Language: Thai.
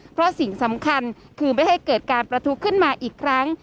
เพราะสิ่งสำคัญคือไม่ให้เกิดการประทุขึ้นมาอีกครั้ง